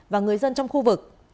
và người dân trong khu vực